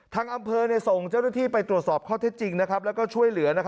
ทางอำเภอส่งเจ้าหน้าที่ไปตรวจสอบข้อเท็จจริงแล้วก็ช่วยเหลือ